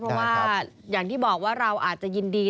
เพราะว่าอย่างที่บอกว่าเราอาจจะยินดี